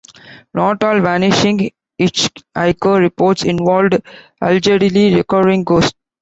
Not all vanishing hitchhiker reports involved allegedly recurring ghosts.